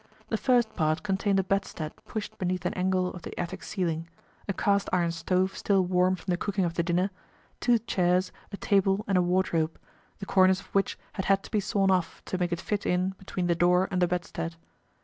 The first part contained a bedstead pushed beneath an angle of the attic ceiling, a cast iron stove still warm from the cooking of the dinner, two chairs, a table and a wardrobe, the cornice of which had had to be sawn off to make it fit in between the door and the bedstead.